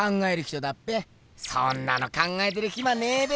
そんなの考えてるヒマねえべ！